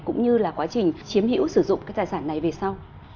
cũng như là quá trình chiếm hữu sử dụng cái tài sản này về sau